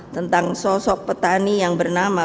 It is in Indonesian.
tentang sosok petani yang bernama